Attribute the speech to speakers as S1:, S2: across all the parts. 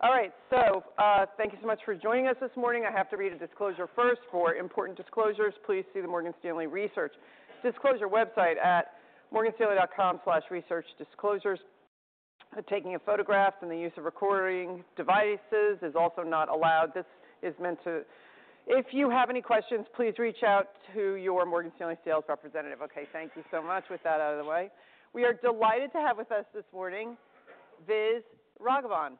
S1: All right, so thank you so much for joining us this morning. I have to read a disclosure first. For important disclosures, please see the Morgan Stanley Research Disclosure website at morganstanley.com/researchdisclosures. Taking photographs and the use of recording devices is also not allowed. This is meant to—if you have any questions, please reach out to your Morgan Stanley sales representative. Okay, thank you so much. With that out of the way, we are delighted to have with us this morning Vis Raghavan.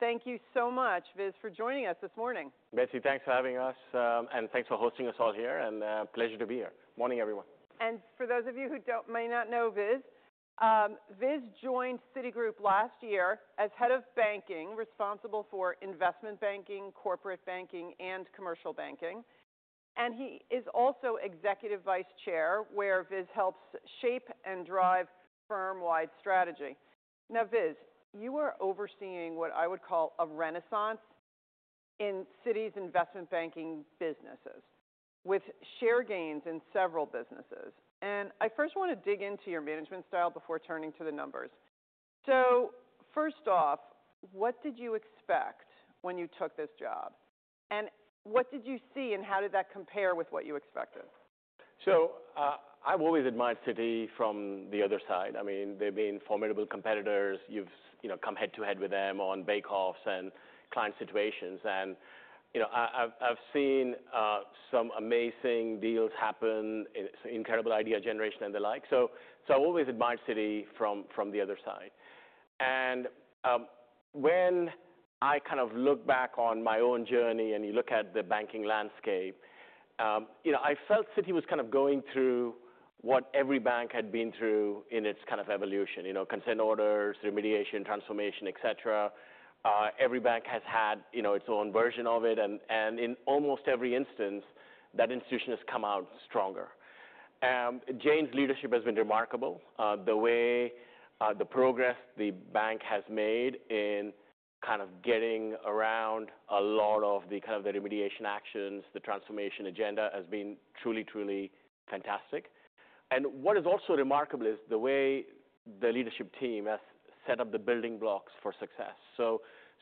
S1: Thank you so much, Vis, for joining us this morning.
S2: Betsy, thanks for having us, and thanks for hosting us all here. A pleasure to be here. Morning, everyone.
S1: For those of you who may not know Vis, Vis joined Citigroup last year as Head of Banking, responsible for investment banking, corporate banking, and commercial banking. He is also Executive Vice Chair, where Vis helps shape and drive firm-wide strategy. Vis, you are overseeing what I would call a renaissance in Citi's investment banking businesses with share gains in several businesses. I first want to dig into your management style before turning to the numbers. First off, what did you expect when you took this job? What did you see, and how did that compare with what you expected?
S2: I've always admired Citi from the other side. I mean, they've been formidable competitors. You've come head-to-head with them on bake-offs and client situations. I've seen some amazing deals happen, incredible idea generation, and the like. I've always admired Citi from the other side. When I kind of look back on my own journey and you look at the banking landscape, I felt Citi was kind of going through what every bank had been through in its kind of evolution: consent orders, remediation, transformation, et cetera. Every bank has had its own version of it. In almost every instance, that institution has come out stronger. Jane's leadership has been remarkable. The way the progress the bank has made in kind of getting around a lot of the kind of remediation actions, the transformation agenda has been truly, truly fantastic. What is also remarkable is the way the leadership team has set up the building blocks for success.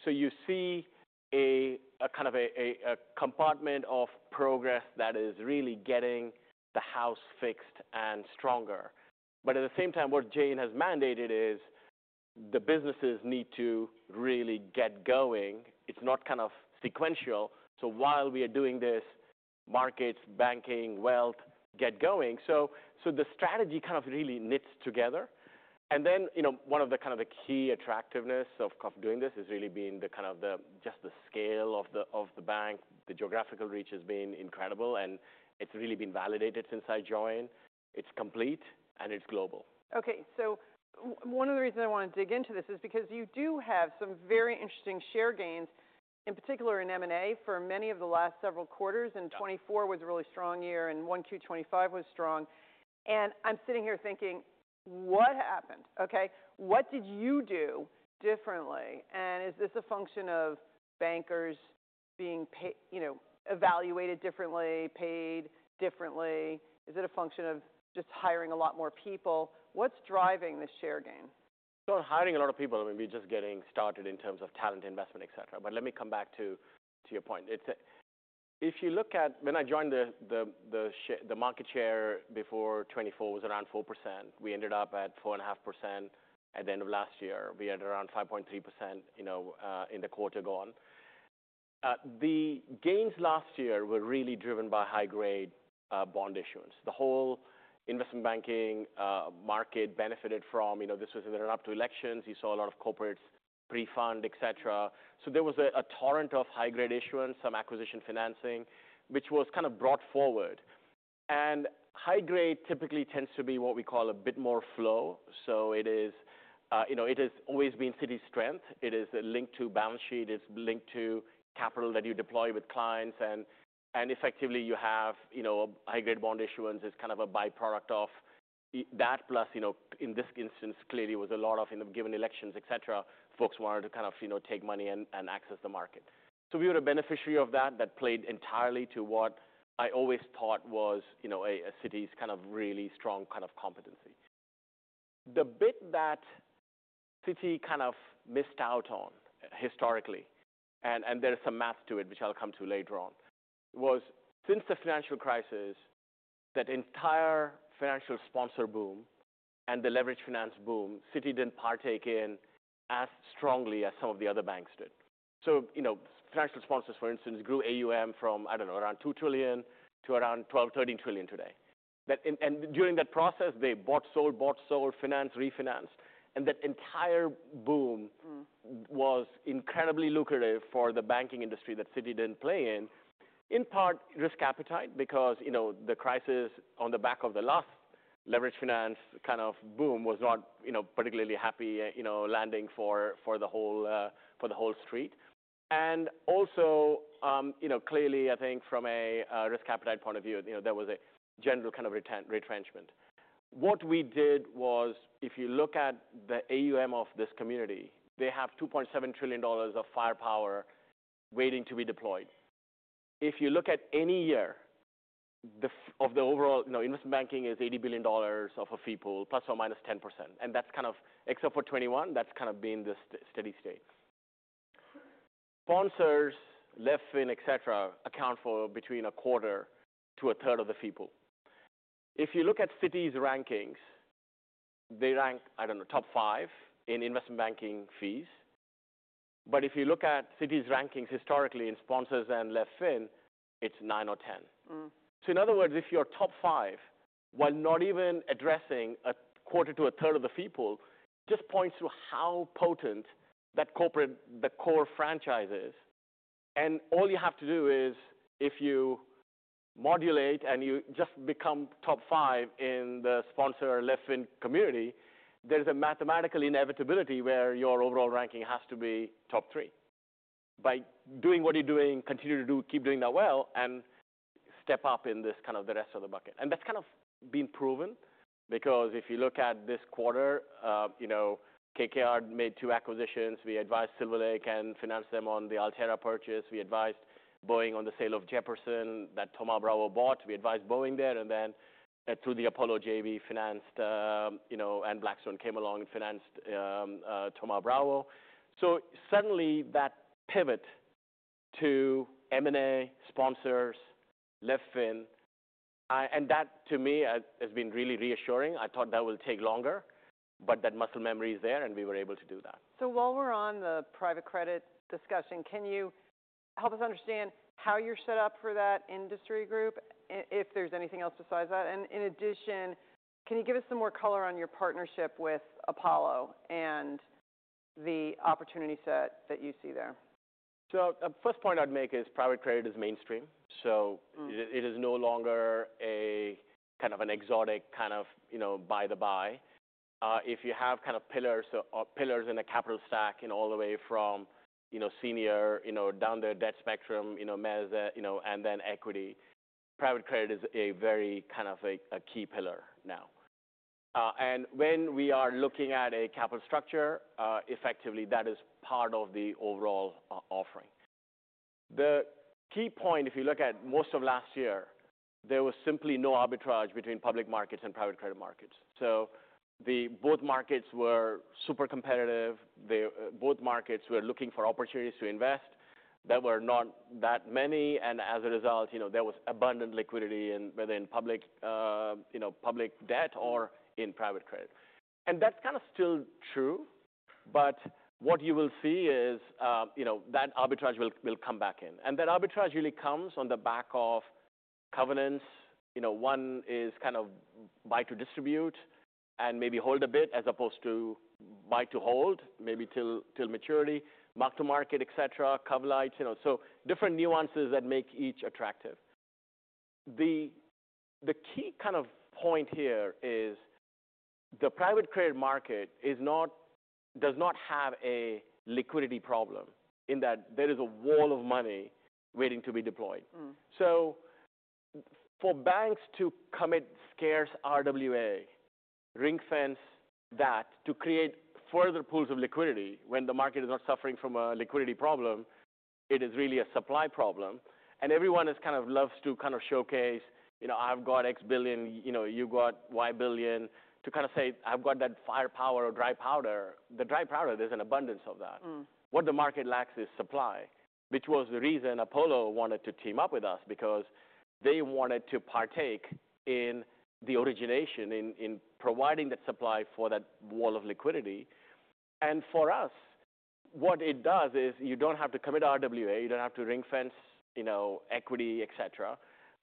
S2: You see a kind of a compartment of progress that is really getting the house fixed and stronger. At the same time, what Jane has mandated is the businesses need to really get going. It's not kind of sequential. While we are doing this, markets, banking, wealth, get going. The strategy kind of really knits together. One of the key attractiveness of doing this has really been the kind of just the scale of the bank. The geographical reach has been incredible. It's really been validated since I joined. It's complete, and it's global.
S1: Okay. One of the reasons I want to dig into this is because you do have some very interesting share gains, in particular in M&A, for many of the last several quarters. 2024 was a really strong year, and 1Q 2025 was strong. I'm sitting here thinking, what happened? What did you do differently? Is this a function of bankers being evaluated differently, paid differently? Is it a function of just hiring a lot more people? What's driving this share gain?
S2: Hiring a lot of people, I mean, we're just getting started in terms of talent investment, et cetera. Let me come back to your point. If you look at when I joined, the market share before 2024 was around 4%. We ended up at 4.5% at the end of last year. We had around 5.3% in the quarter gone. The gains last year were really driven by high-grade bond issuance. The whole investment banking market benefited from this in the run-up to elections. You saw a lot of corporates pre-fund, et cetera. There was a torrent of high-grade issuance, some acquisition financing, which was kind of brought forward. High-grade typically tends to be what we call a bit more flow. It has always been Citi's strength. It is linked to balance sheet. It's linked to capital that you deploy with clients. Effectively, you have high-grade bond issuance as kind of a byproduct of that. Plus, in this instance, clearly, it was a lot of, in the given elections, et cetera, folks wanted to kind of take money and access the market. We were a beneficiary of that. That played entirely to what I always thought was Citigroup's kind of really strong kind of competency. The bit that Citigroup kind of missed out on historically, and there is some math to it, which I'll come to later on, was since the financial crisis, that entire financial sponsor boom and the leveraged finance boom, Citigroup did not partake in as strongly as some of the other banks did. Financial sponsors, for instance, grew AUM from, I do not know, around $2 trillion to around $12-$13 trillion today. During that process, they bought, sold, bought, sold, financed, refinanced. That entire boom was incredibly lucrative for the banking industry that Citi did not play in, in part risk appetite, because the crisis on the back of the last leveraged finance kind of boom was not particularly happy landing for the whole street. Also, clearly, I think from a risk appetite point of view, there was a general kind of retrenchment. What we did was, if you look at the AUM of this community, they have $2.7 trillion of firepower waiting to be deployed. If you look at any year of the overall investment banking, it is $80 billion of a fee pool, plus or minus 10%. That is kind of, except for 2021, that is kind of been the steady state. Sponsors, Lyfin, et cetera, account for between a quarter to a third of the fee pool. If you look at Citi's rankings, they rank, I don't know, top five in investment banking fees. If you look at Citi's rankings historically in sponsors and Lyfin, it's 9 or 10. In other words, if you're top five while not even addressing a quarter to a third of the fee pool, it just points to how potent that corporate, the core franchise is. All you have to do is, if you modulate and you just become top five in the sponsor Lyfin community, there's a mathematical inevitability where your overall ranking has to be top three. By doing what you're doing, continue to keep doing that well and step up in this kind of the rest of the bucket. That's kind of been proven, because if you look at this quarter, KKR made two acquisitions. We advised Silver Lake and financed them on the Altera purchase. We advised Boeing on the sale of Jeppesen that Thoma Bravo bought. We advised Boeing there. Then through the Apollo JV, we financed, and Blackstone came along and financed Thoma Bravo. Suddenly, that pivot to M&A, sponsors, Lyfin, and that, to me, has been really reassuring. I thought that would take longer, but that muscle memory is there, and we were able to do that.
S1: While we're on the private credit discussion, can you help us understand how you're set up for that industry group, if there's anything else besides that? In addition, can you give us some more color on your partnership with Apollo and the opportunity set that you see there?
S2: The first point I'd make is private credit is mainstream. It is no longer kind of an exotic kind of by the by. If you have kind of pillars in a capital stack all the way from senior down the debt spectrum, and then equity, private credit is a very kind of a key pillar now. When we are looking at a capital structure, effectively, that is part of the overall offering. The key point, if you look at most of last year, there was simply no arbitrage between public markets and private credit markets. Both markets were super competitive. Both markets were looking for opportunities to invest. There were not that many. As a result, there was abundant liquidity in public debt or in private credit. That's kind of still true. What you will see is that arbitrage will come back in. That arbitrage really comes on the back of covenants. One is kind of buy to distribute and maybe hold a bit as opposed to buy to hold, maybe till maturity, mark to market, et cetera, cover lights. Different nuances that make each attractive. The key kind of point here is the private credit market does not have a liquidity problem in that there is a wall of money waiting to be deployed. For banks to commit scarce RWA, ring-fence that to create further pools of liquidity when the market is not suffering from a liquidity problem, it is really a supply problem. Everyone kind of loves to kind of showcase, "I've got X billion. You've got Y billion," to kind of say, "I've got that firepower or dry powder." The dry powder, there's an abundance of that. What the market lacks is supply, which was the reason Apollo wanted to team up with us, because they wanted to partake in the origination, in providing that supply for that wall of liquidity. For us, what it does is you do not have to commit RWA. You do not have to ring-fence equity, et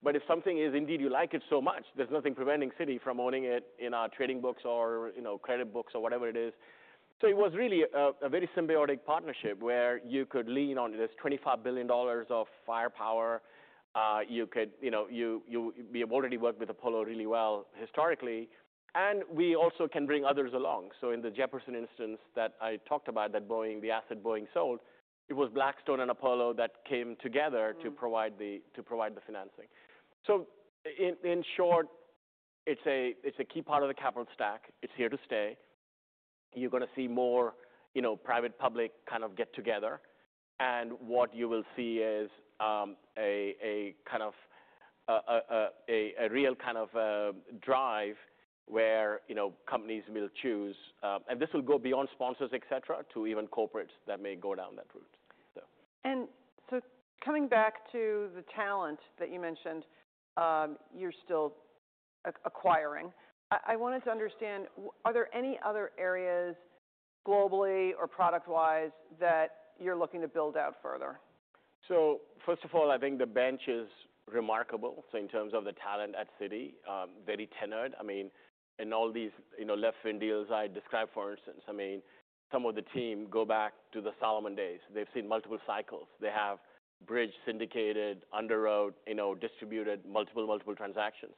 S2: cetera. If something is indeed you like it so much, there is nothing preventing Citi from owning it in our trading books or credit books or whatever it is. It was really a very symbiotic partnership where you could lean on this $25 billion of firepower. You have already worked with Apollo really well historically. We also can bring others along. In the Jeppesen instance that I talked about, the asset Boeing sold, it was Blackstone and Apollo that came together to provide the financing. In short, it's a key part of the capital stack. It's here to stay. You're going to see more private-public kind of get together. What you will see is a real kind of drive where companies will choose. This will go beyond sponsors, et cetera, to even corporates that may go down that route.
S1: Coming back to the talent that you mentioned, you're still acquiring. I wanted to understand, are there any other areas globally or product-wise that you're looking to build out further?
S2: First of all, I think the bench is remarkable. In terms of the talent at Citi, very tenured. I mean, in all these Lyfin deals I described, for instance, some of the team go back to the Salomon days. They've seen multiple cycles. They have bridged, syndicated, underwrote, distributed, multiple, multiple transactions.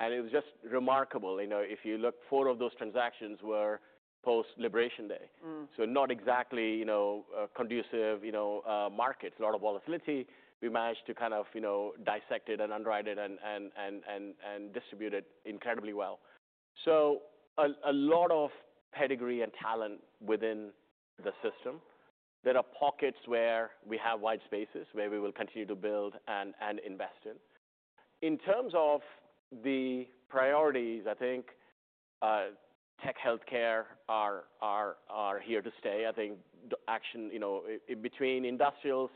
S2: It was just remarkable. If you look, four of those transactions were post-liberation day. Not exactly conducive markets, a lot of volatility. We managed to kind of dissect it and underwrite it and distribute it incredibly well. A lot of pedigree and talent within the system. There are pockets where we have wide spaces where we will continue to build and invest in. In terms of the priorities, I think tech healthcare are here to stay. I think in between industrials,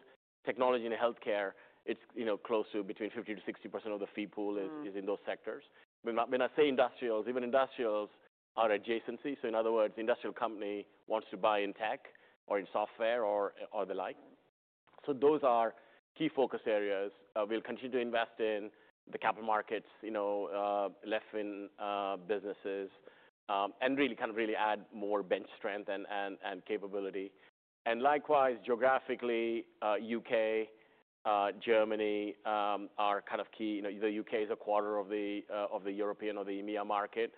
S2: technology, and healthcare, it's close to between 50%-60% of the fee pool is in those sectors. When I say industrials, even industrials are adjacency. In other words, an industrial company wants to buy in tech or in software or the like. Those are key focus areas. We'll continue to invest in the capital markets, Lyfin businesses, and really kind of really add more bench strength and capability. Likewise, geographically, U.K., Germany are kind of key. The U.K. is a quarter of the European or the EMEA market.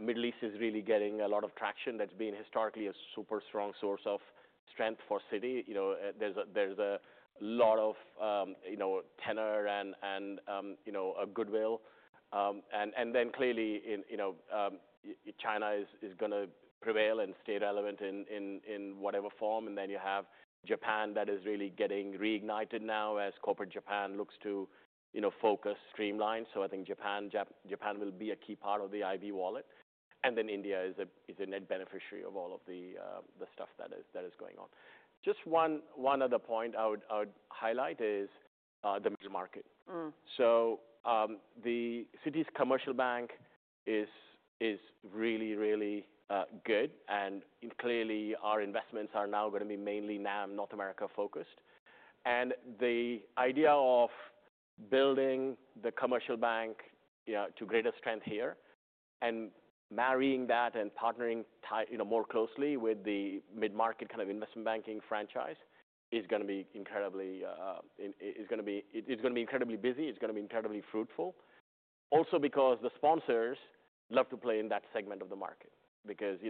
S2: Middle East is really getting a lot of traction. That's been historically a super strong source of strength for Citi. There's a lot of tenor and goodwill. Clearly, China is going to prevail and stay relevant in whatever form. Japan is really getting reignited now as corporate Japan looks to focus. Streamlined. I think Japan will be a key part of the IV wallet. India is a net beneficiary of all of the stuff that is going on. Just one other point I would highlight is the major market. The Citi commercial bank is really, really good. Clearly, our investments are now going to be mainly North America focused. The idea of building the commercial bank to greater strength here and marrying that and partnering more closely with the mid-market kind of investment banking franchise is going to be incredibly busy. It is going to be incredibly fruitful. Also because the sponsors love to play in that segment of the market, because the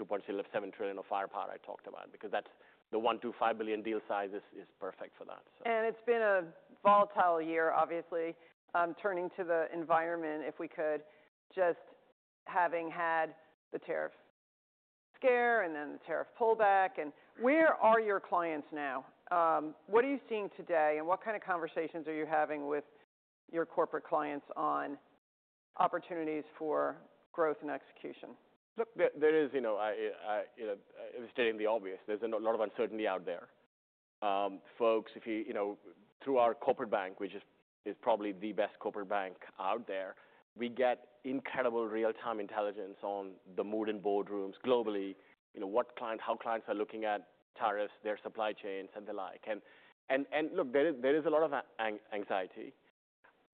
S2: $2.7 trillion of firepower I talked about, because that's the $1.25 billion deal size is perfect for that.
S1: It's been a volatile year, obviously. Turning to the environment, if we could, just having had the tariff scare and then the tariff pullback. Where are your clients now? What are you seeing today? What kind of conversations are you having with your corporate clients on opportunities for growth and execution?
S2: Look, there is, I was stating the obvious. There is a lot of uncertainty out there. Folks, through our corporate bank, which is probably the best corporate bank out there, we get incredible real-time intelligence on the mood in boardrooms globally, what clients, how clients are looking at tariffs, their supply chains, and the like. There is a lot of anxiety.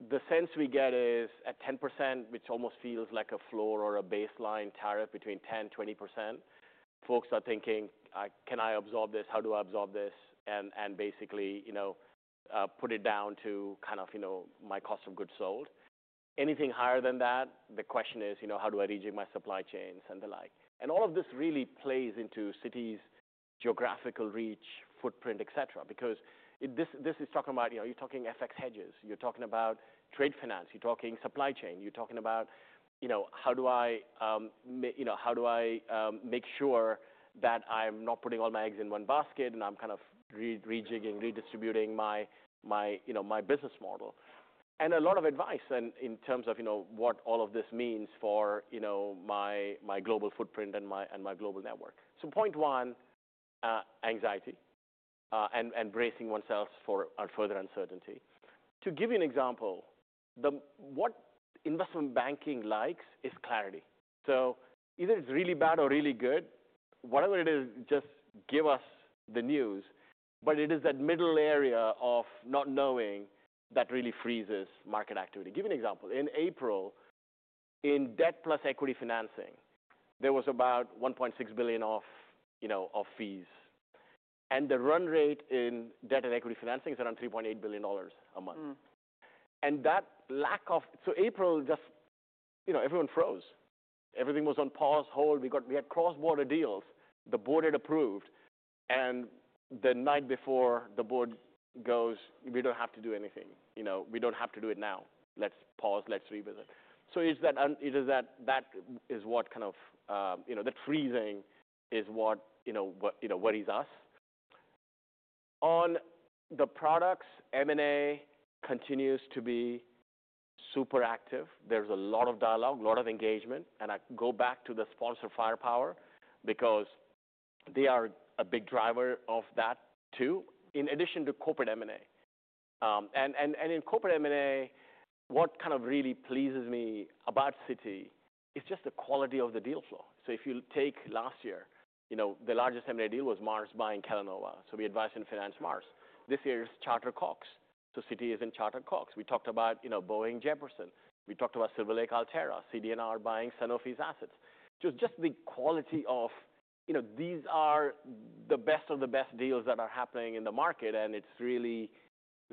S2: The sense we get is at 10%, which almost feels like a floor or a baseline tariff between 10%-20%. Folks are thinking, can I absorb this? How do I absorb this? Basically put it down to kind of my cost of goods sold. Anything higher than that, the question is, how do I rejig my supply chains and the like? All of this really plays into Citi's geographical reach, footprint, et cetera, because this is talking about, you are talking FX hedges. You're talking about trade finance. You're talking supply chain. You're talking about how do I make sure that I'm not putting all my eggs in one basket and I'm kind of rejigging, redistributing my business model. And a lot of advice in terms of what all of this means for my global footprint and my global network. Point one, anxiety and bracing oneself for further uncertainty. To give you an example, what investment banking likes is clarity. Either it's really bad or really good. Whatever it is, just give us the news. It is that middle area of not knowing that really freezes market activity. Give you an example. In April, in debt plus equity financing, there was about $1.6 billion of fees. The run rate in debt and equity financing is around $3.8 billion a month. That lack of, so April, just everyone froze. Everything was on pause, hold. We had cross-border deals. The board had approved. The night before, the board goes, we do not have to do anything. We do not have to do it now. Let's pause. Let's revisit. That freezing is what worries us. On the products, M&A continues to be super active. There is a lot of dialogue, a lot of engagement. I go back to the sponsor firepower because they are a big driver of that too, in addition to corporate M&A. In corporate M&A, what really pleases me about Citi is just the quality of the deal flow. If you take last year, the largest M&A deal was Mars buying Kellanova. We advised and financed Mars. This year is Charter-Cox. Citi and Charter-Cox. We talked about Boeing-Jeppesen. We talked about Silver Lake-Altera. CD&R buying Sanofi's assets. Just the quality of these are the best of the best deals that are happening in the market. It is really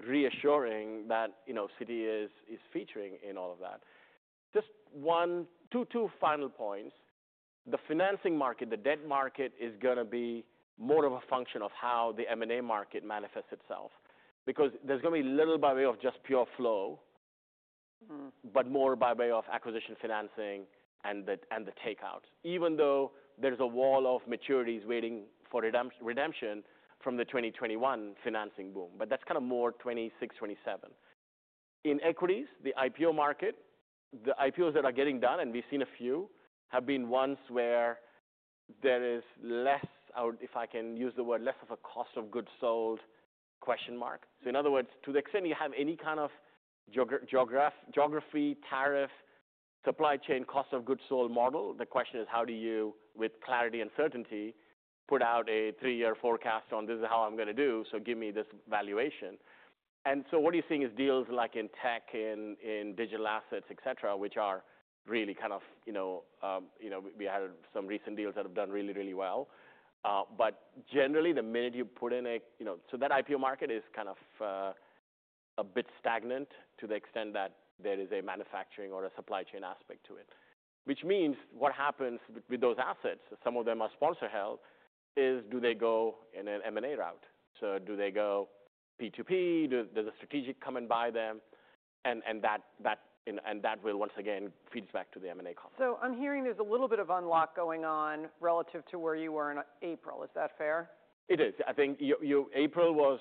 S2: reassuring that Citi is featuring in all of that. Just two final points. The financing market, the debt market is going to be more of a function of how the M&A market manifests itself, because there is going to be little by way of just pure flow, but more by way of acquisition financing and the takeout, even though there is a wall of maturities waiting for redemption from the 2021 financing boom. That is kind of more 2026, 2027. In equities, the IPO market, the IPOs that are getting done, and we have seen a few, have been ones where there is less, if I can use the word, less of a cost of goods sold? In other words, to the extent you have any kind of geography, tariff, supply chain, cost of goods sold model, the question is, how do you, with clarity and certainty, put out a three-year forecast on this is how I'm going to do, so give me this valuation? What you're seeing is deals like in tech, in digital assets, et cetera, which are really kind of, we had some recent deals that have done really, really well. Generally, the minute you put in a, so that IPO market is kind of a bit stagnant to the extent that there is a manufacturing or a supply chain aspect to it, which means what happens with those assets, some of them are sponsor held, is do they go in an M&A route? Do they go P2P? Does a strategic come and buy them? That will once again feed back to the M&A cost.
S1: I'm hearing there's a little bit of unlock going on relative to where you were in April. Is that fair?
S2: It is. I think April was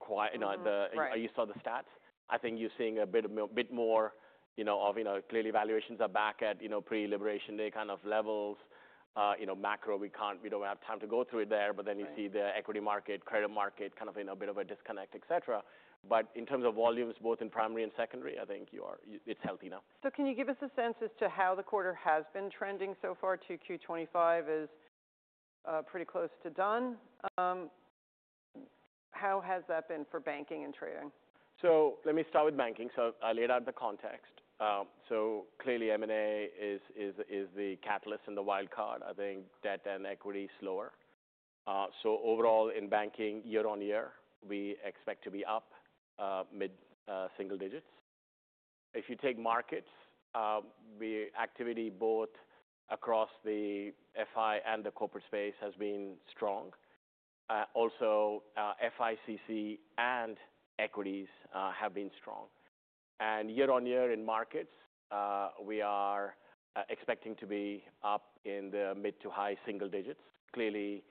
S2: quite, you saw the stats. I think you're seeing a bit more of, clearly, valuations are back at pre-liberation day kind of levels. Macro, we don't have time to go through it there. Then you see the equity market, credit market kind of in a bit of a disconnect, et cetera. In terms of volumes, both in primary and secondary, I think it's healthy now.
S1: Can you give us a sense as to how the quarter has been trending so far to Q2 2025? Is pretty close to done. How has that been for banking and trading?
S2: Let me start with banking. I laid out the context. Clearly, M&A is the catalyst and the wild card. I think debt and equity slower. Overall in banking, year on year, we expect to be up mid-single digits. If you take markets, the activity both across the FI and the corporate space has been strong. Also, FICC and equities have been strong. Year on year in markets, we are expecting to be up in the mid to high single digits. Clearly,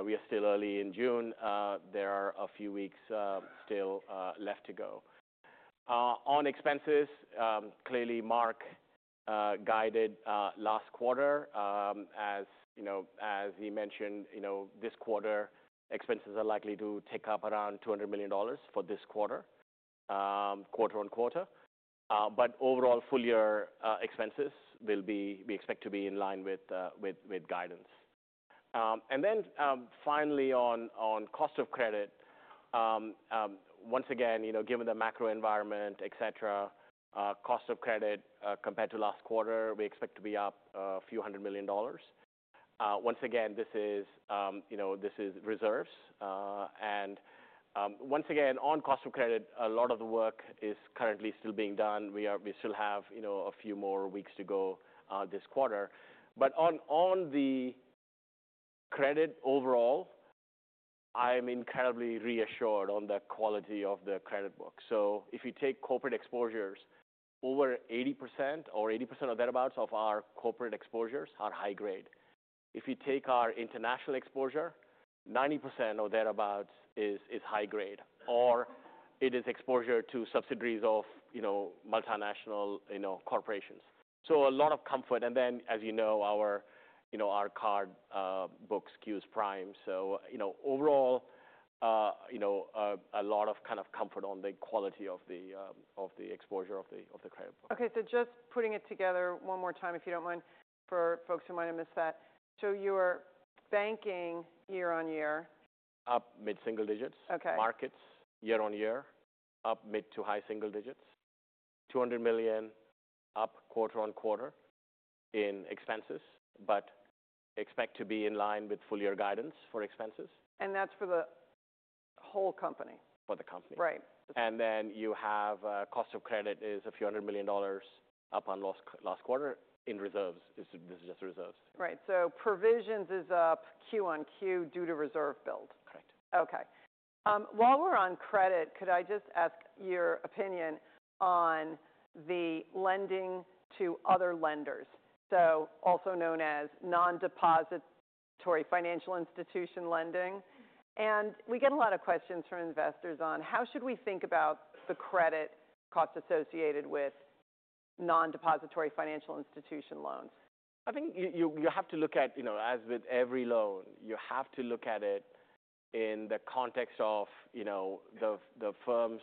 S2: we are still early in June. There are a few weeks still left to go. On expenses, clearly, Mark guided last quarter. As he mentioned, this quarter, expenses are likely to tick up around $200 million for this quarter, quarter on quarter. Overall, full year expenses will be, we expect, to be in line with guidance. Finally, on cost of credit, once again, given the macro environment, et cetera, cost of credit compared to last quarter, we expect to be up a few hundred million dollars. Once again, this is reserves. Once again, on cost of credit, a lot of the work is currently still being done. We still have a few more weeks to go this quarter. On the credit overall, I'm incredibly reassured on the quality of the credit book. If you take corporate exposures, over 80% or 80% or thereabouts of our corporate exposures are high grade. If you take our international exposure, 90% or thereabouts is high grade, or it is exposure to subsidiaries of multinational corporations. A lot of comfort. As you know, our card book skews prime. Overall, a lot of kind of comfort on the quality of the exposure of the credit book.
S1: OK. Just putting it together one more time, if you don't mind, for folks who might have missed that. Your banking year on year.
S2: Up mid-single digits. Markets year on year, up mid to high single digits. $200 million up quarter on quarter in expenses, but expect to be in line with full year guidance for expenses.
S1: That's for the whole company.
S2: For the company.
S1: Right.
S2: You have cost of credit is a few hundred million dollars up on last quarter in reserves. This is just reserves.
S1: Right. Provisions is up Q on Q due to reserve build.
S2: Correct.
S1: OK. While we're on credit, could I just ask your opinion on the lending to other lenders, so also known as non-depository financial institution lending? We get a lot of questions from investors on how should we think about the credit cost associated with non-depository financial institution loans?
S2: I think you have to look at, as with every loan, you have to look at it in the context of the firm's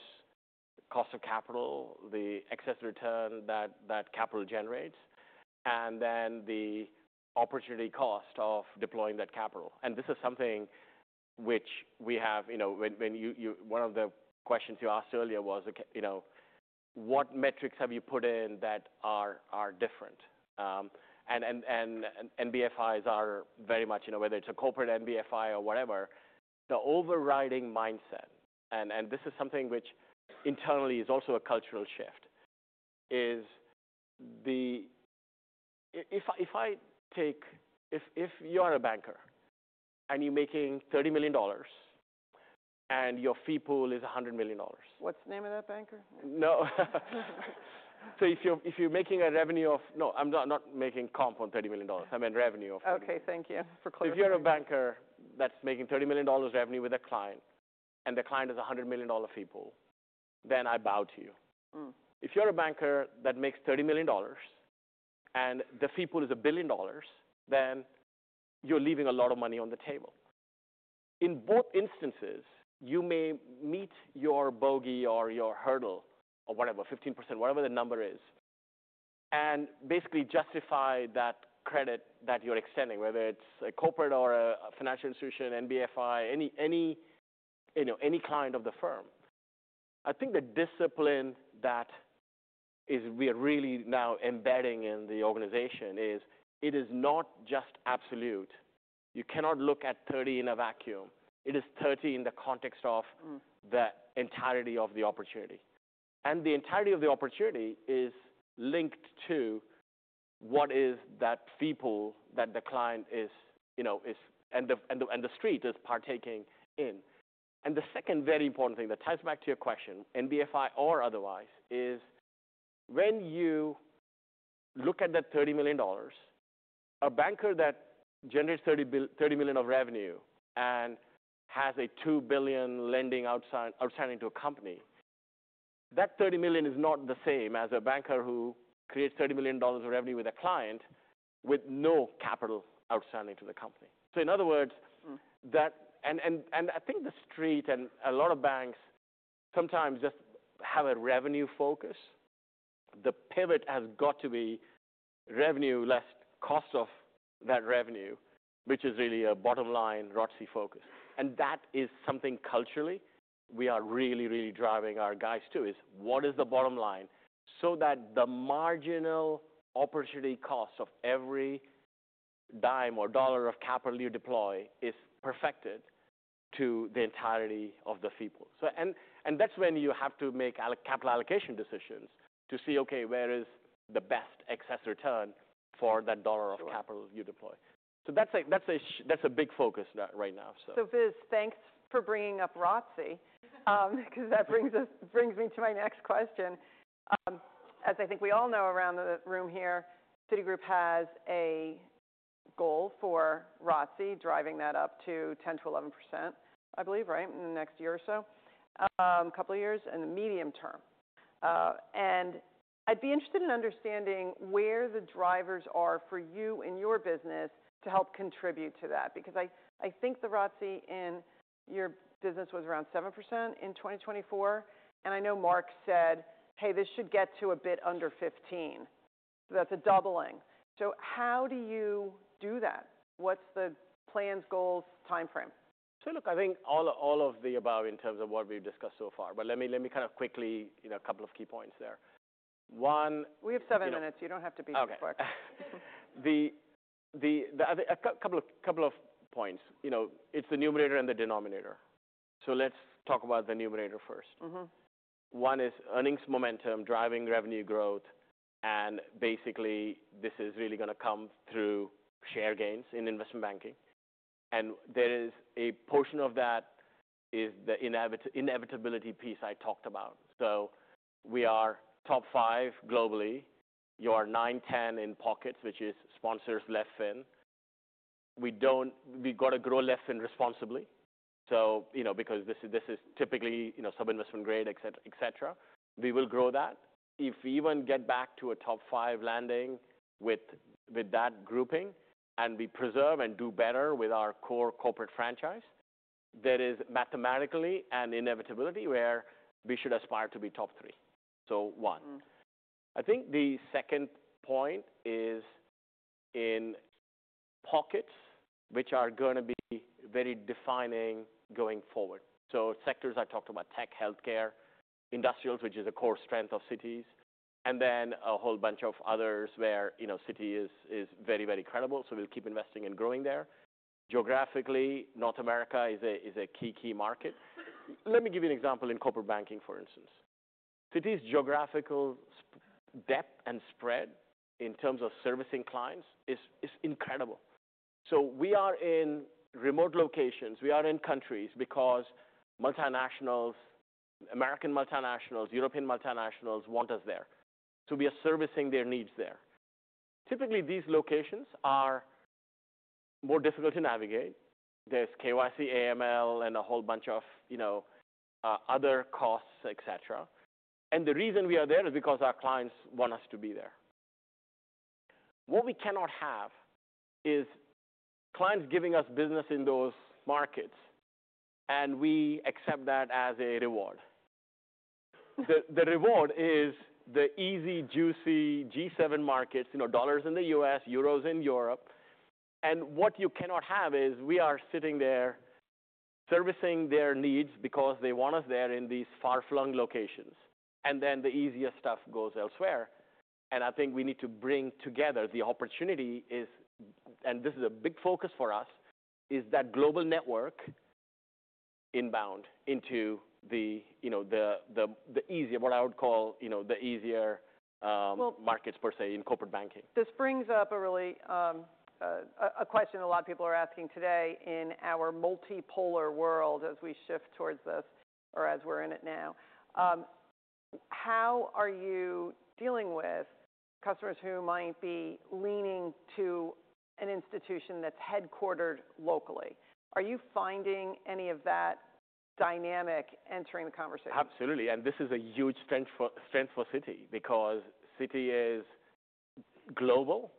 S2: cost of capital, the excess return that capital generates, and then the opportunity cost of deploying that capital. This is something which we have, when one of the questions you asked earlier was, what metrics have you put in that are different? NBFIs are very much, whether it's a corporate NBFI or whatever, the overriding mindset, and this is something which internally is also a cultural shift, is if I take, if you are a banker and you're making $30 million and your fee pool is $100 million.
S1: What's the name of that banker?
S2: No. If you're making a revenue of, no, I'm not making comp on $30 million. I meant revenue of.
S1: OK. Thank you for clarifying.
S2: If you're a banker that's making $30 million revenue with a client and the client is a $100 million fee pool, then I bow to you. If you're a banker that makes $30 million and the fee pool is $1 billion, then you're leaving a lot of money on the table. In both instances, you may meet your bogey or your hurdle or whatever, 15%, whatever the number is, and basically justify that credit that you're extending, whether it's a corporate or a financial institution, NBFI, any client of the firm. I think the discipline that we are really now embedding in the organization is it is not just absolute. You cannot look at 30 in a vacuum. It is 30 in the context of the entirety of the opportunity. The entirety of the opportunity is linked to what is that fee pool that the client is and the street is partaking in. The second very important thing, that ties back to your question, NBFI or otherwise, is when you look at that $30 million, a banker that generates $30 million of revenue and has a $2 billion lending outstanding to a company, that $30 million is not the same as a banker who creates $30 million of revenue with a client with no capital outstanding to the company. In other words, that, and I think the street and a lot of banks sometimes just have a revenue focus. The pivot has got to be revenue less cost of that revenue, which is really a bottom line ROTC E focus. That is something culturally we are really, really driving our guys to, is what is the bottom line so that the marginal opportunity cost of every dime or dollar of capital you deploy is perfected to the entirety of the fee pool. That is when you have to make capital allocation decisions to see, OK, where is the best excess return for that dollar of capital you deploy? That is a big focus right now.
S1: Vis, thanks for bringing up ROTC E, because that brings me to my next question. As I think we all know around the room here, Citigroup has a goal for ROTC E, driving that up to 10%-11%, I believe, right, in the next year or so, a couple of years, in the medium term. I'd be interested in understanding where the drivers are for you in your business to help contribute to that, because I think the ROTC E in your business was around 7% in 2024. I know Mark said, hey, this should get to a bit under 15. That's a doubling. How do you do that? What's the plans, goals, time frame?
S2: Look, I think all of the above in terms of what we've discussed so far. Let me kind of quickly, a couple of key points there. One.
S1: We have seven minutes. You don't have to beat the clock.
S2: OK. A couple of points. It is the numerator and the denominator. Let's talk about the numerator first. One is earnings momentum driving revenue growth. Basically, this is really going to come through share gains in investment banking. There is a portion of that which is the inevitability piece I talked about. We are top five globally. You are 9, 10 in pockets, which is sponsors, LEFS, FINN. We have to grow LEFSIN responsibly, because this is typically sub-investment grade, et cetera. We will grow that. If we even get back to a top five landing with that grouping and we preserve and do better with our core corporate franchise, there is mathematically an inevitability where we should aspire to be top three. One. I think the second point is in pockets, which are going to be very defining going forward. Sectors I talked about, tech, health care, industrials, which is a core strength of Citi, and then a whole bunch of others where Citi is very, very credible. We'll keep investing and growing there. Geographically, North America is a key, key market. Let me give you an example in corporate banking, for instance. Citi's geographical depth and spread in terms of servicing clients is incredible. We are in remote locations. We are in countries because multinationals, American multinationals, European multinationals want us there. We are servicing their needs there. Typically, these locations are more difficult to navigate. There's KYC, AML, and a whole bunch of other costs, et cetera. The reason we are there is because our clients want us to be there. What we cannot have is clients giving us business in those markets, and we accept that as a reward. The reward is the easy, juicy G7 markets, dollars in the U.S., euros in Europe. What you cannot have is we are sitting there servicing their needs because they want us there in these far-flung locations. Then the easiest stuff goes elsewhere. I think we need to bring together the opportunity, and this is a big focus for us, is that global network inbound into the easier, what I would call the easier markets, per se, in corporate banking.
S1: This brings up a question a lot of people are asking today in our multipolar world as we shift towards this, or as we're in it now. How are you dealing with customers who might be leaning to an institution that's headquartered locally? Are you finding any of that dynamic entering the conversation?
S2: Absolutely. This is a huge strength for Citi, because Citi is global.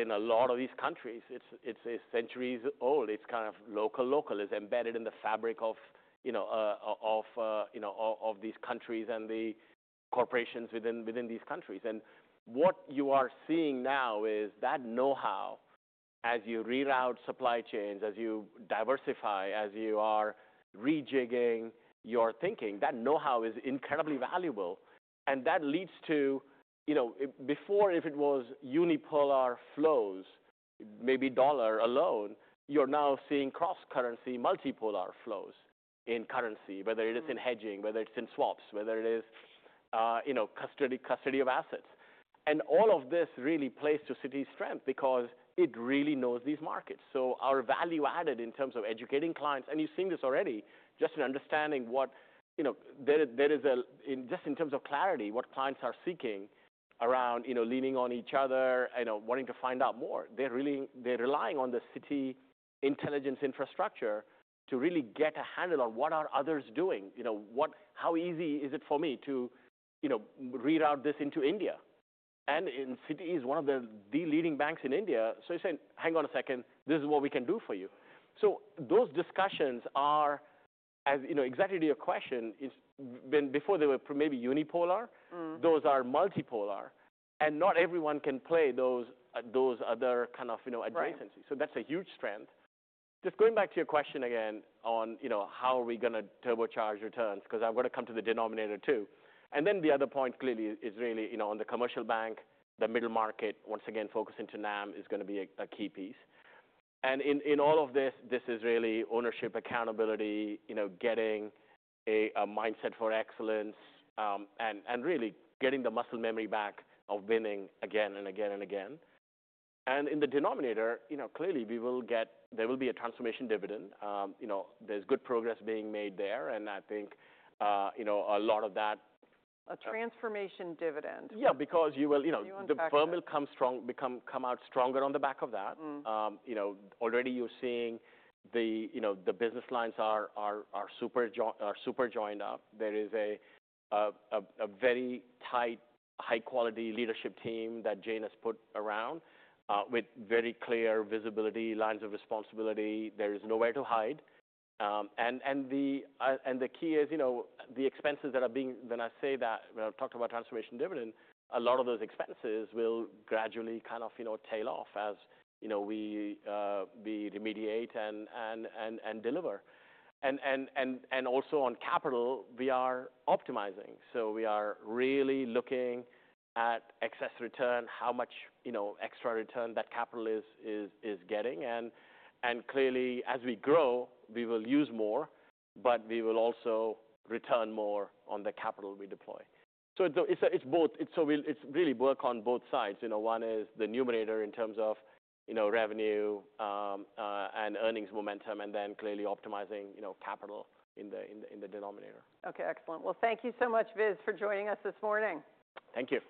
S2: In a lot of these countries, it is centuries old. It is kind of local local, embedded in the fabric of these countries and the corporations within these countries. What you are seeing now is that know-how, as you reroute supply chains, as you diversify, as you are rejigging your thinking, that know-how is incredibly valuable. That leads to, before, if it was unipolar flows, maybe dollar alone, you are now seeing cross-currency multipolar flows in currency, whether it is in hedging, whether it is in swaps, whether it is custody of assets. All of this really plays to Citi's strength, because it really knows these markets. Our value added in terms of educating clients, and you've seen this already, just in understanding what there is just in terms of clarity, what clients are seeking around leaning on each other, wanting to find out more, they're relying on the Citi intelligence infrastructure to really get a handle on what are others doing. How easy is it for me to reroute this into India? Citi is one of the leading banks in India. You say, hang on a second, this is what we can do for you. Those discussions are, exactly to your question, before they were maybe unipolar, those are multipolar. Not everyone can play those other kind of adjacencies. That's a huge strength. Just going back to your question again on how are we going to turbocharge returns, because I've got to come to the denominator too. The other point clearly is really on the commercial bank, the middle market, once again focusing to NAM is going to be a key piece. In all of this, this is really ownership, accountability, getting a mindset for excellence, and really getting the muscle memory back of winning again and again and again. In the denominator, clearly, there will be a transformation dividend. There's good progress being made there. I think a lot of that.
S1: A transformation dividend.
S2: Yeah, because the firm will come out stronger on the back of that. Already you're seeing the business lines are super joined up. There is a very tight, high-quality leadership team that Jane has put around with very clear visibility, lines of responsibility. There is nowhere to hide. The key is the expenses that are being, when I say that, when I talk about transformation dividend, a lot of those expenses will gradually kind of tail off as we remediate and deliver. Also on capital, we are optimizing. We are really looking at excess return, how much extra return that capital is getting. Clearly, as we grow, we will use more, but we will also return more on the capital we deploy. It's really work on both sides. One is the numerator in terms of revenue and earnings momentum, and then clearly optimizing capital in the denominator.
S1: OK, excellent. Thank you so much, Vis, for joining us this morning.
S2: Thank you.